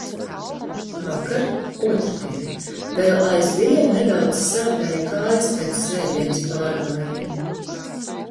Vakar, otrdien, vēl aizvien nedaudz sāpēja kājās pēc svētdienas pārgājiena.